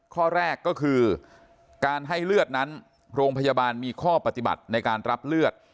ข้อแรกก็คือการให้เลือดนั้นโรงพยาบาลมีข้อปฏิบัติในการรับเลือด